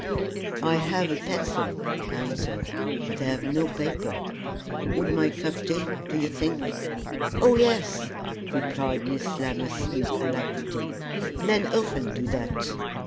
"I have a pencil," I answered; "but I have no paper. Would my cuff do, do you think?" "Oh, yes!" replied Miss Lammas, with alacrity; "men often do that."